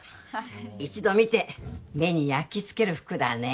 一度見て目に焼きつける服だね